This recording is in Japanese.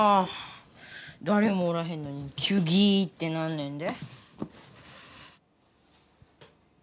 だれもおらへんのに「キュギィィ」て鳴んねんで。